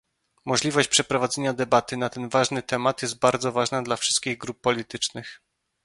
Możliwość przeprowadzenia debaty na ten ważny temat jest bardzo ważna dla wszystkich grup politycznych